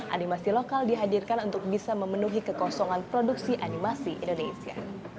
animasi lokal dihadirkan untuk bisa memenuhi kekosongan produksi animasi indonesia